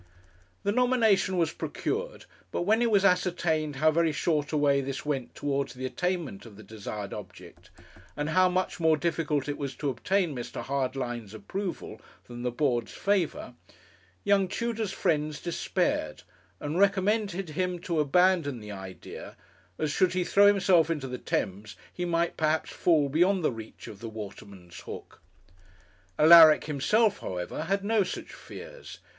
The nomination was procured; but when it was ascertained how very short a way this went towards the attainment of the desired object, and how much more difficult it was to obtain Mr. Hardlines' approval than the Board's favour, young Tudor's friends despaired, and recommended him to abandon the idea, as, should he throw himself into the Thames, he might perhaps fall beyond the reach of the waterman's hook. Alaric himself, however, had no such fears.